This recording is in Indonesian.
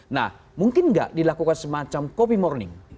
nah mungkin nggak dilakukan semacam copy morning